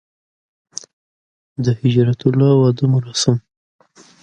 Studies have been conducted on the readability and legibility of all caps text.